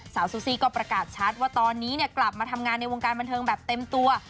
ซูซี่ก็ประกาศชัดว่าตอนนี้กลับมาทำงานในวงการบันเทิงแบบเต็มตัว